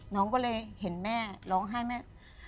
น้องก็เลยเห็นแม่ร้องไห้แม่